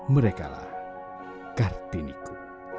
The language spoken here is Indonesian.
mereka lah kartiniku